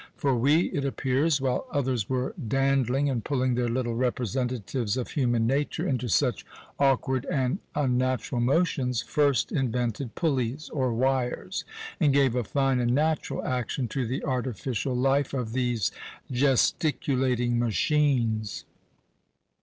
For we, it appears, while others were dandling and pulling their little representatives of human nature into such awkward and unnatural motions, first invented pulleys, or wires, and gave a fine and natural action to the artificial life of these gesticulating machines!